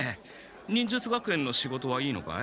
忍術学園の仕事はいいのかい？